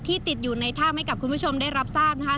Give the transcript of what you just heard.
ติดอยู่ในถ้ำให้กับคุณผู้ชมได้รับทราบนะคะ